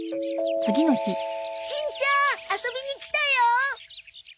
しんちゃん遊びに来たよ。